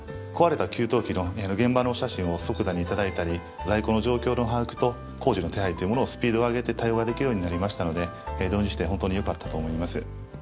壊れた給湯器の現場のお写真を即座に頂いたり在庫の状況の把握と工事の手配というものをスピードを上げて対応ができるようになりましたので導入して本当によかったと思います。